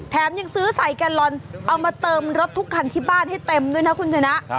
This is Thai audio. ยังซื้อใส่แกลลอนเอามาเติมรถทุกคันที่บ้านให้เต็มด้วยนะคุณชนะ